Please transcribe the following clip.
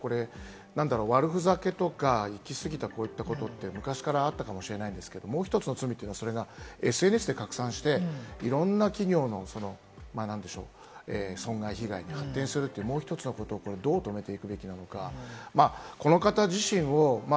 悪ふざけとか行き過ぎたことって昔からあったかもしれないですけれども、もう１つの罪って、それがＳＮＳで拡散して、いろんな企業の損害、被害に発展するというもう１つのことをどう止めていくべきなのか。